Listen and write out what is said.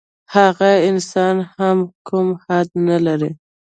هغه انسان هم کوم حد نه لري.